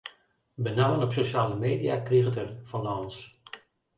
Benammen op sosjale media kriget er der fan lâns.